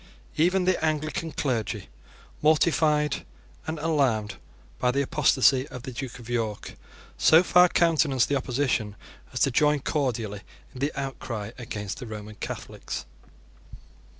Even the Anglican clergy, mortified and alarmed by the apostasy of the Duke of York, so far countenanced the opposition as to join cordially in the outcry against the Roman Catholics.